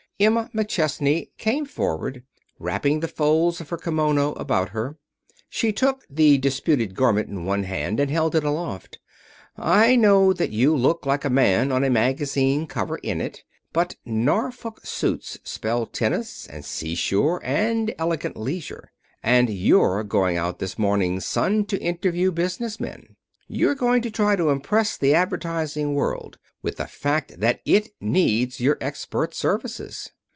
Emma McChesney came forward, wrapping the folds of her kimono about her. She took the disputed garment in one hand and held it aloft. "I know that you look like a man on a magazine cover in it. But Norfolk suits spell tennis, and seashore, and elegant leisure. And you're going out this morning, Son, to interview business men. You're going to try to impress the advertising world with the fact that it needs your expert services.